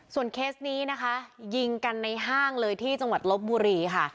เคสนี้นะคะยิงกันในห้างเลยที่จังหวัดลบบุรีค่ะ